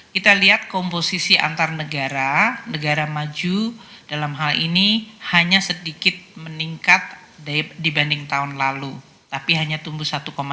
kita lihat komposisi antar negara negara maju dalam hal ini hanya sedikit meningkat dibanding tahun lalu tapi hanya tumbuh satu lima